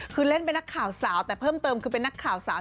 คือเล่นเป็นนักข่าวสาวแต่เพิ่มเติมคือเป็นนักข่าวสาว